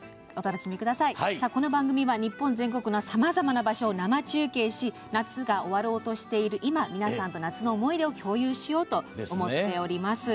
この番組は日本全国のさまざまな場所を生中継し夏が終わろうとしている今皆さんと夏の思い出を共有していただこうと思っています。